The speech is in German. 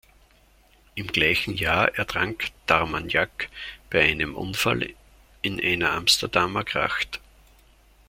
Im gleichen Jahr ertrank d’Armagnac bei einem Unfall in einer Amsterdamer Gracht.